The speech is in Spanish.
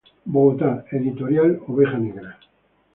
Bogotá: Editorial Oveja Negra.